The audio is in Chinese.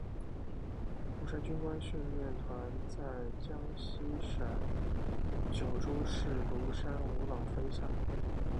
庐山军官训练团在江西省九江市庐山五老峰下。